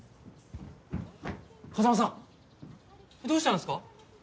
風真さんどうしたんですか？